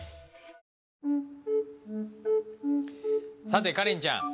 さてカレンちゃん。